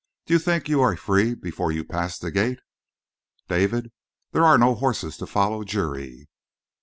Do you think you are free before you pass the gates?" "David, there are no horses to follow Juri!"